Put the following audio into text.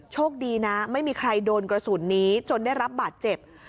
โชคดีนะไม่มีใครโดนกระสุนนี้จนได้รับบาดเจ็บ